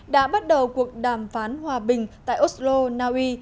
đã bắt đầu cuộc đàm phán hòa bình tại oslo naui